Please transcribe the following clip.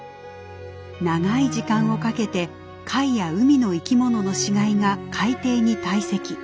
長い時間をかけて貝や海の生き物の死骸が海底に堆積。